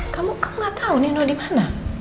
kamu gak tau nino dimana